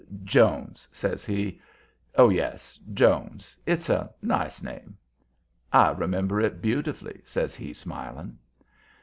"Jones," says he. "Oh, yes Jones. It's a nice name." "I remember it beautifully," says he, smiling.